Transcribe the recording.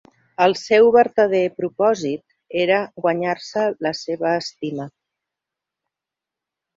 El seu vertader propòsit era guanyar-se la seva estima.